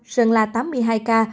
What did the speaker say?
sơn la tám mươi hai ca